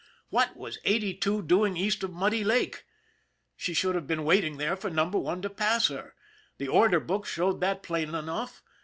What was Eighty Two doing east of Muddy Lake? She should have been waiting there for Number One to pass her. The order book showed that plain enough.